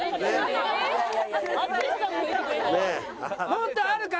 もっとあるか？